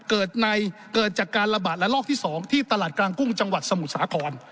เกิดจากการระบาดระลอกที่๒ที่ตลาดกลางกุ้งจังหวัดสมุทรสาคร